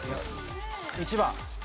１番。